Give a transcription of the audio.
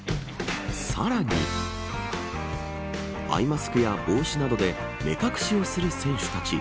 さらにアイマスクや帽子などで目隠しをする選手たち